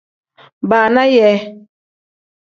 Baana yee.